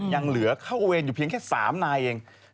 ยังเหลือเข้าเวรอยู่เพียงแค่๓นายเอง